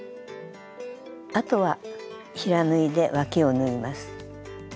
あとは平縫いでわきを縫います。